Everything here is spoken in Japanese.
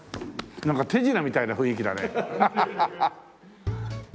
なんか手品みたいな雰囲気だね。